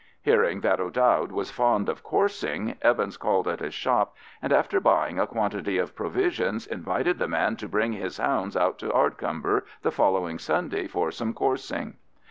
Hearing that O'Dowd was fond of coursing, Evans called at his shop, and after buying a quantity of provisions, invited the man to bring his hounds out to Ardcumber the following Sunday for some coursing.